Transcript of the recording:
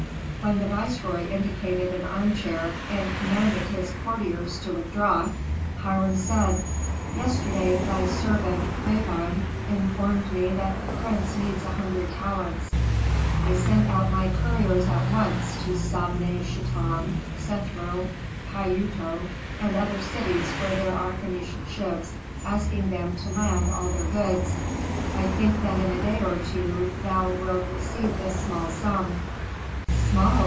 When the viceroy indicated an armchair and commanded his courtiers to withdraw, Hiram said, "Yesterday thy servant Dagon informed me that the prince needs a hundred talents. I sent out my couriers at once to Sabne Chetam, Sethroe, Pi Uto, and other cities where there are Phœnician ships, asking them to land all their goods. I think that in a day or two thou wilt receive this small sum " "Small!"